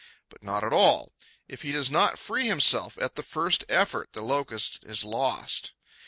But not at all. If he does not free himself at the first effort, the Locust is lost.